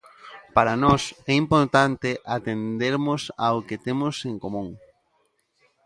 Para nós é importante atendermos ao que temos en común.